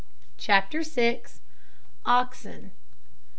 CHAPTER SIX. OXEN.